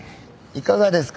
いかがですか？